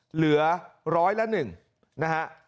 เหลือร้อยละ๑นะฮะ